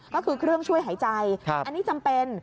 ก็คือเครื่องช่วยหายใจอันนี้จำเป็น